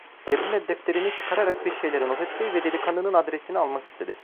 Cebinden defterini çıkararak bir şeyler not etti ve delikanlının adresini almak istedi.